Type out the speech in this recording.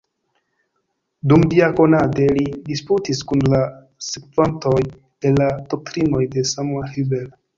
Dumdiakonade li disputis kun la sekvantoj de la doktrinoj de Samuel Huber.